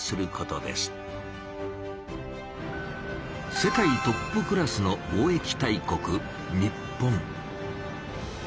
世界トップクラスの貿易大国日本。